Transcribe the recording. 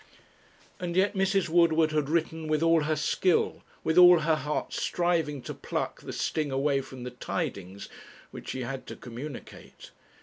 And yet Mrs. Woodward had written with all her skill, with all her heart striving to pluck the sting away from the tidings which she had to communicate.